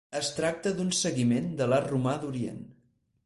Es tracta d'un seguiment de l'art romà d'Orient.